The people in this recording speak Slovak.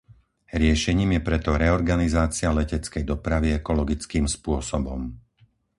Riešením je preto reorganizácia leteckej dopravy ekologickým spôsobom.